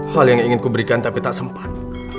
hal yang ingin kuberikan tapi tak sempat